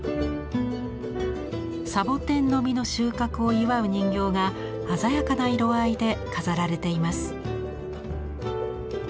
サボテンの実の収穫を祝う人形が鮮やかな色合いで飾られています。